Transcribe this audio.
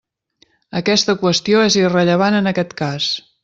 Aquesta qüestió és irrellevant en aquest cas.